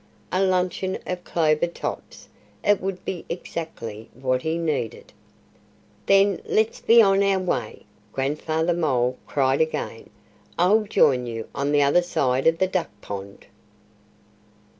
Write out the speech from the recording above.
A luncheon of clover tops! It would be exactly what he needed. "Then let's be on our way!" Grandfather Mole cried again. "I'll join you on the other side of the duck pond!"